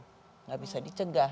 tidak bisa dicegah